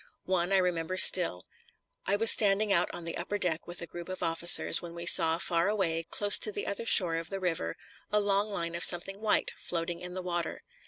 One I remember still. I was standing out on the upper deck with a group of officers, when we saw far away, close to the other shore of the river, a long line of something white floating in the water.